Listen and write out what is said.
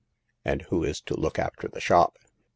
" And who is to' look after the shop